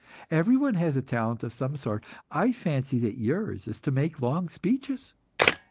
Everyone has a talent of some sort. I fancy that yours is to make long speeches.